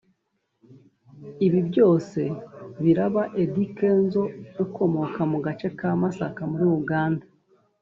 Ibi byose biraba Eddy Kenzo ukomoka mu gace ka Masaka muri Uganda